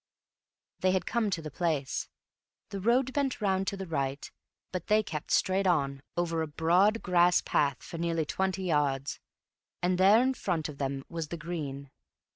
They had come to the place. The road bent round to the right, but they kept straight on over a broad grass path for twenty yards, and there in front of them was the green.